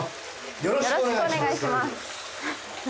よろしくお願いします。